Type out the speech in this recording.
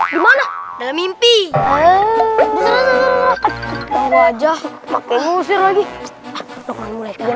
gimana mimpi wajah pakai musik lagi